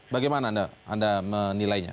bagaimana anda menilainya